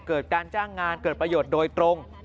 เกิดการจ้างงานเกิดประโยชน์โดยตรง